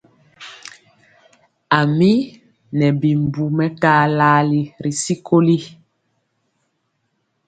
A mi nɛ bimbu mɛkalali ri sikoli.